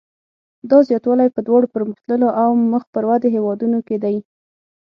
دا زیاتوالی په دواړو پرمختللو او مخ پر ودې هېوادونو کې دی.